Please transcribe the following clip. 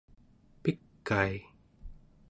pikai